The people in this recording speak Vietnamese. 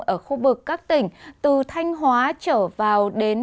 ở khu vực các tỉnh từ thanh hóa trở vào đến